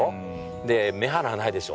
で目鼻ないでしょ。